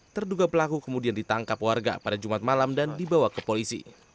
terduga pelaku kemudian ditangkap warga pada jumat malam dan dibawa ke polisi